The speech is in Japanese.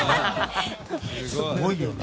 すごいよね。